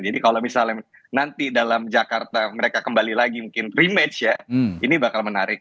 jadi kalau misalnya nanti dalam jakarta mereka kembali lagi mungkin rematch ya ini bakal menarik